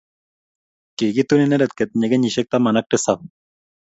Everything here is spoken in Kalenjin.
Kikitun inendet kitinye kenyisiek taman ak tisap